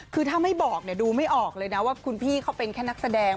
คือถ้าไม่บอกดูไม่ออกเลยนะว่าคุณพี่เขาเป็นแค่นักแสดง